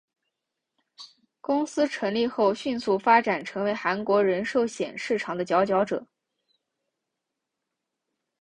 公司成立后迅速发展成为韩国人寿险市场的佼佼者。